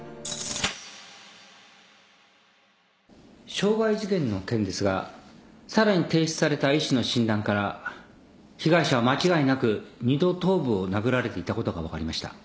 傷害事件の件ですがさらに提出された医師の診断から被害者は間違いなく２度頭部を殴られていたことが分かりました。